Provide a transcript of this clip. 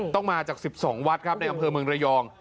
ต้องมาจาก๑๒วัดครับในอำเภอเมืองระยอง